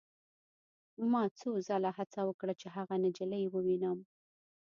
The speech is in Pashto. ما څو ځله هڅه وکړه چې هغه نجلۍ ووینم